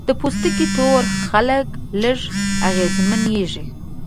د پوستکي تور خلک لږ اغېزمنېږي.